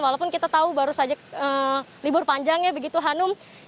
walaupun kita tahu baru saja libur panjang ya begitu hanum